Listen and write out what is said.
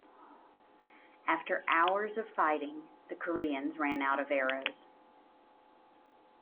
After hours of fighting, the Koreans ran out of arrows.